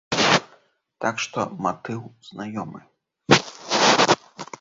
Так што матыў знаёмы.